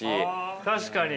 確かに。